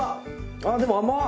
あでも甘！